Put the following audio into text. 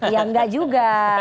ya enggak juga